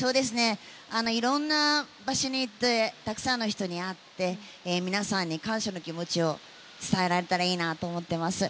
いろんな場所に行ってたくさんの人に会って皆さんに感謝の気持ちを伝えられたらいいなと思っています。